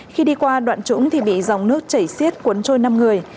khi đi qua đoạn trũng thì bị dòng nước chảy xiết cuốn trôi năm người